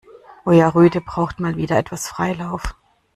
Euer Rüde braucht mal etwas Freilauf.